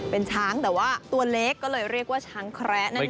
เป็นช้างแต่ว่าตัวเล็กก็เลยเรียกว่าช้างแคระนั่นเอง